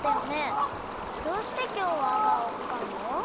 どうしてきょうはアガーをつかうの？